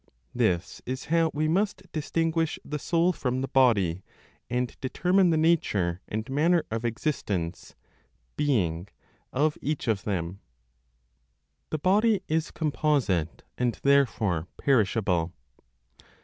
This is how we must distinguish the soul from the body, and determine the nature and manner of existence ("being") of each of them. THE BODY IS COMPOSITE, AND THEREFORE PERISHABLE.